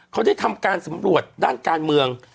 เขาได้ทำการสำรวจด้านการเมือง